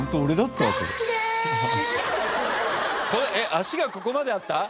足がここまであった？